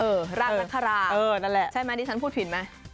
เออรากนักภาพใช่ไหมดิฉันพูดผิดไหม